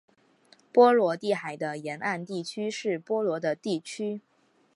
波罗的海的沿岸地区是波罗的地区。